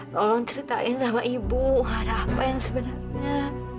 tolong ceritain sama ibu ada apa yang sebenarnya